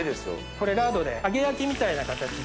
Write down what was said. これラードで揚げ焼きみたいな形で。